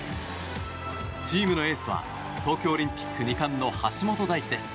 チームのエースは東京オリンピック２冠の橋本大輝です。